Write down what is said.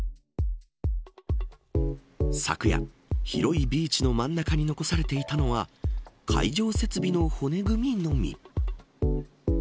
昨夜、広いビーチの真ん中に残されていたのは会場設備の骨組みのみ。